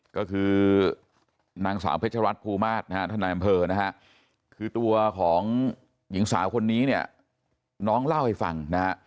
ก็คือนางสาวเพชรวัตรภูมาศท่านายัมเภอคือตัวของหญิงสาวคนนี้น้องเล่าให้ฟัง